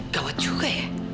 gawat juga ya